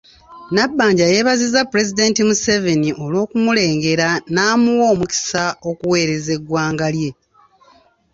Nabbanja yeebazizza Pulezidenti Museveni olw'okumulengera n’amuwa omukisa okuweereza eggwanga lye.